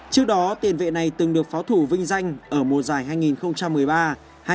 trước đó tiền vệ này từng được pháo thủ vinh danh ở mùa giải hai nghìn một mươi ba hai nghìn một mươi tám